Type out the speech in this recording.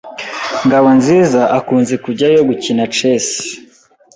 Ngabonziza akunze kujyayo gukina chess.